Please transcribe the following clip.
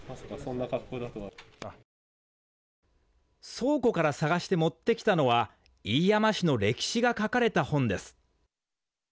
倉庫から探して持ってきたのは飯山市の歴史が書かれた本です。